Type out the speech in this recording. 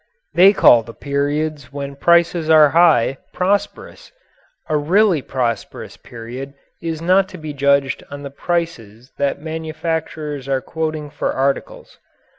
They call the periods when prices are high "prosperous." A really prosperous period is not to be judged on the prices that manufacturers are quoting for articles.